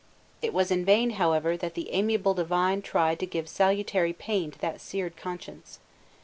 It was in vain, however, that the amiable divine tried to give salutary pain to that seared conscience.